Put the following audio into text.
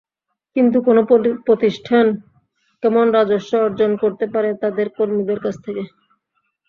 কিন্তু কোনো প্রতিষ্ঠান কেমন রাজস্ব অর্জন করতে পারে তাদের কর্মীদের কাছ থেকে?